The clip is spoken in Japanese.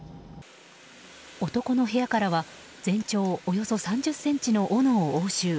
男の部屋からは全長およそ３０ｃｍのおのを押収。